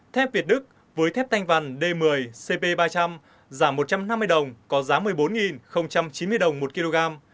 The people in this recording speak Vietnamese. thép việt đức với thép thanh vằn d một mươi cp ba trăm linh giảm một trăm năm mươi đồng có giá một mươi bốn bốn mươi đồng